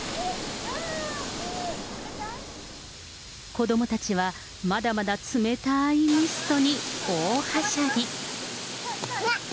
子どもたちは、まだまだ冷たいミストに大はしゃぎ。